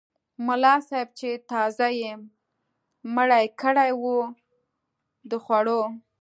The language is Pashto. ملا صاحب چې تازه یې مړۍ کړې وه د خوړو.